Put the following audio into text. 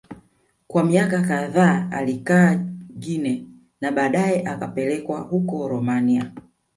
Kwa miaka kadhaa alikaa Guinea na baadae akapelekwa huko Romania